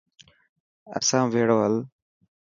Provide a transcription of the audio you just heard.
اسان بهڙو هل.